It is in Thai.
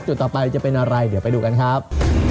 ต่อไปจะเป็นอะไรเดี๋ยวไปดูกันครับ